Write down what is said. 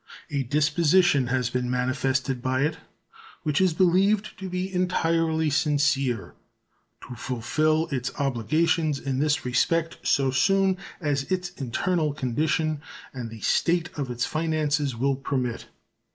A disposition has been manifested by it, which is believed to be entirely sincere, to fulfill its obligations in this respect so soon as its internal condition and the state of its finances will permit.